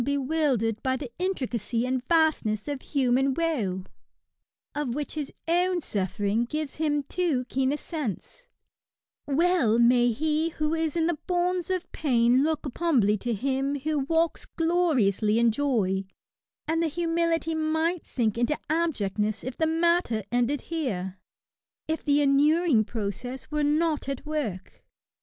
bewildered by the intricacy and vastness of human woe^ of which his own suffering gives him too keen a sense^ well may he who is in the bonds of pain look up humbly to him who walks gloriously in joy; and the humility might sink into abj^ct ness if the matter ended here^ if the inuring process were not at work.